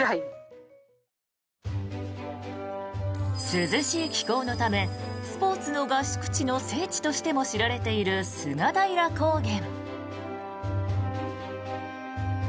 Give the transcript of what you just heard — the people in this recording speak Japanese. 涼しい気候のためスポーツの合宿地の聖地としても知られている菅平高原。